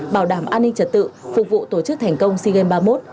bảo đảm an ninh trật tự phục vụ tổ chức thành công sigem ba mươi một